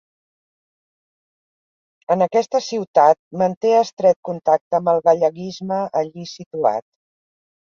En aquesta ciutat manté estret contacte amb el galleguisme allí situat.